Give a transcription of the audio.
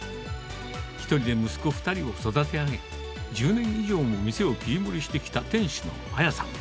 １人で息子２人を育て上げ、１０年以上も店を切り盛りしてきた店主のあやさん。